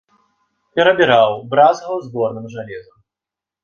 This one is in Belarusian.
Перабіраў, бразгаў зборным жалезам.